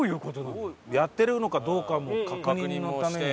やってるのかどうかも確認のために。